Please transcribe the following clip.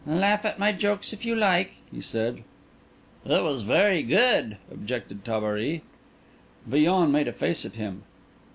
"Laugh at my jokes, if you like," he said. "It was very good," objected Tabary. Villon made a face at him.